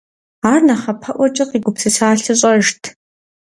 Ар нэхъапэӀуэкӀэ къигупсыса лъыщӀэжт.